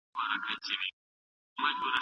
ښوونځې تللې مور د ماشوم غوسه سمبالوي.